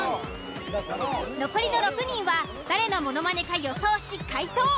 残りの６人は誰のものまねか予想し解答。